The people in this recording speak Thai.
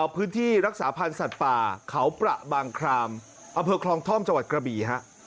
พื้นที่รักษาพันธุ์สัตว์ป่าเขาประบางคลามอเผิกคลองท่อมจกระบีฮะ